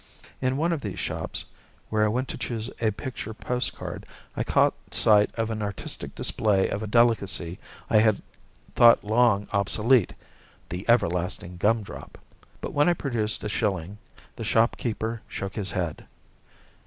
In one of these shops, where I went to choose a picture post card, I caught sight of an artistic display of a delicacy I had thought long obsolete the everlasting gum drop. But when I produced a shilling the shopkeeper shook his head.